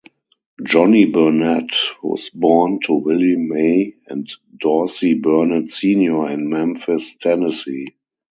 Johnny Burnette was born to Willie May and Dorsey Burnett Senior in Memphis, Tennessee.